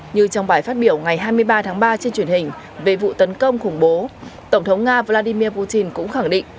như trong bài phát biểu ngày hai mươi ba tháng ba trên truyền hình về vụ tấn công khủng bố tổng thống nga vladimir putin cũng khẳng định